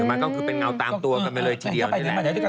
มันก็คือเป็นเงาตามตัวกันไปเลยทีเดียว